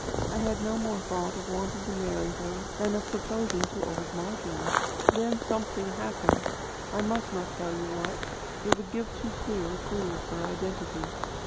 I had no more thought of wanting to marry her than of proposing to old Margery. Then something happened, I must not tell you what; it would give too clear a clue to her identity.